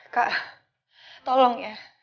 kak tolong ya